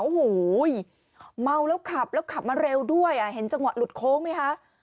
โอ้โหเมาแล้วขับแล้วขับมาเร็วด้วยเห็นจังหวะหลุดโค้งไหมคะ